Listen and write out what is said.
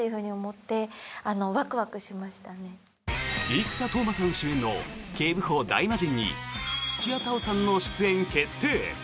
生田斗真さん主演の「警部補ダイマジン」に土屋太鳳さんの出演決定！